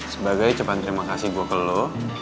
sebagai ucapan terima kasih gue ke lo